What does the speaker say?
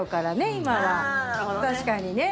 今は、確かにね。